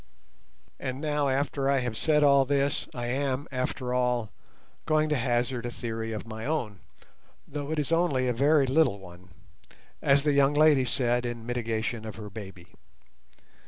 And now after I have said all this, I am, after all, going to hazard a theory of my own, though it is only a very little one, as the young lady said in mitigation of her baby.